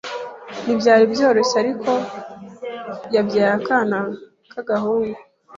Ntibyari byoroshye ariko yabyaye akana k’agahungu